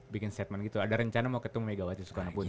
bikin statement gitu ada rencana mau ketemu megawati